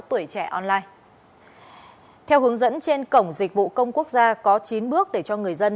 theo hướng dẫn trên cổng dịch vụ công quốc gia có chín bước để cho người dân